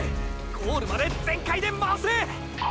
ゴールまで全開で回せ！！